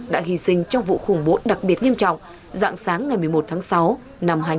đã hy sinh trong vụ khủng bố đặc biệt nghiêm trọng dạng sáng ngày một mươi một tháng sáu năm hai nghìn một mươi ba